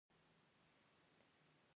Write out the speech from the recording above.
د موبایل له لارې تادیات اسانه دي؟